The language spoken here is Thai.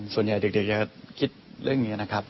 ส่วนใหญ่เด็กจะคิดเรื่องนี้นะครับ